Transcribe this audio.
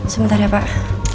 sebentar ya pak